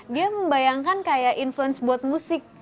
dia membayangkan kayak influence buat musik